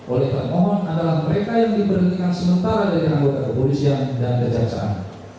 oleh pak mohon adalah mereka yang diberhentikan sementara dari anggota kpui dan kejaksaan